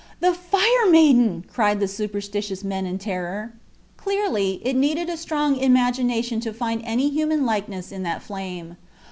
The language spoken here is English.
"The Fire Maiden!" cried the superstitious men in terror. Clearly, it needed a good strong imagination to find any human likeness in that flame.